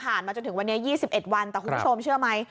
มาจนถึงวันนี้๒๑วันแต่คุณผู้ชมเชื่อไหม